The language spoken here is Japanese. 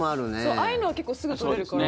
ああいうのは結構、すぐ取れるから。